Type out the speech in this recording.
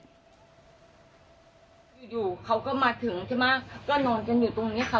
อยู่เขาก็มาถึงใช่ไหมก็นอนกันอยู่ตรงนี้ค่ะ